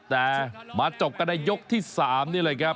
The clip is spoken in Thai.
แต่มาจบกันในยกที่๓นี่เลยครับ